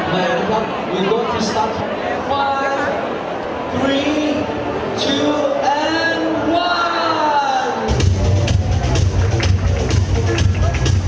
แล้วนะครับวิวิทยาลีจำกัด